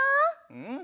うん！